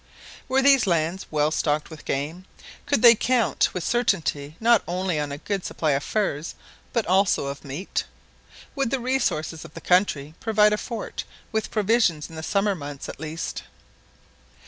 Were these lands well stocked with game? Could they count with certainty not only on a good supply of furs, but also of meat? Would the resources of the country provide a fort with provisions in the summer months at least?